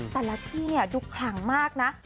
แต่ละที่เนี่ยดูขลังมากนะ